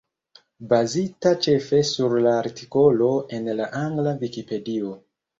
Bazita ĉefe sur la artikolo en la angla Vikipedio.